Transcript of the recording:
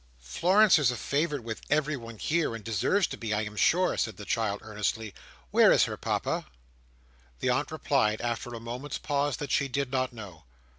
"Florence is a favourite with everyone here, and deserves to be, I am sure," said the child, earnestly. "Where is her Papa?" The aunt replied, after a moment's pause, that she did not know.